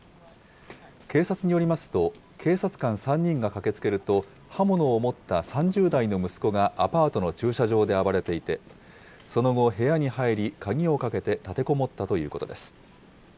警察によりますと、警察官３人が駆けつけると、刃物を持った３０代の息子がアパートの駐車場で暴れていて、その後、部屋に入り鍵をかけて立てこもったということです。